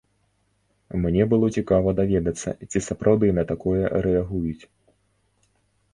Мне было цікава даведацца, ці сапраўды на такое рэагуюць.